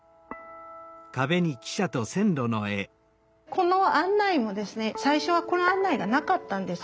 この案内もですね最初はこの案内がなかったんです。